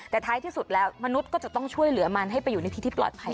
แต่ท้ายที่สุดแล้วมนุษย์ก็จะต้องช่วยเหลือมันให้ไปอยู่ในที่ที่ปลอดภัย